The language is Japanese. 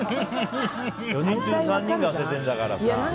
４人中３人が入れてるんだからさ。